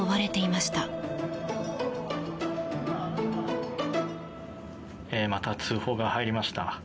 また通報が入りました。